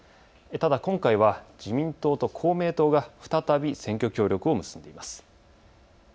ただ今回は自民党と公明党が再び選挙協力を結んでいます。